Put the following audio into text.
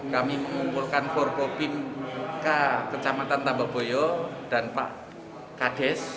kami mengumpulkan forko pimka kecamatan tambah boyo dan pak kades